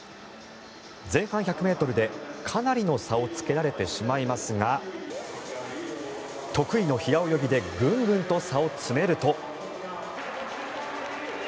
前半１００ｍで、かなりの差をつけられてしまいますが得意の平泳ぎでグングンと差を詰めると。